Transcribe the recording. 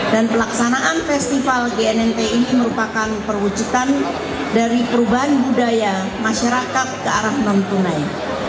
dan pelaksanaan festival gnnt ini merupakan perwujudan dari perubahan budaya masyarakat ke arah non tunai